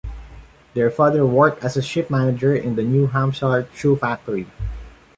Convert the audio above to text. Their father worked as a shift manager in a New Hampshire shoe factory.